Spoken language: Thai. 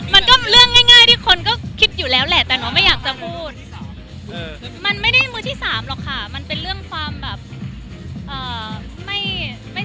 มันเป็นเรื่องคุณหญิงหรือเรื่องอะไร